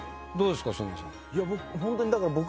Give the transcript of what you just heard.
どうですか？